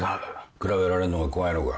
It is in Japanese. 比べられるのが怖いのか。